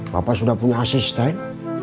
bapak sudah punya asisten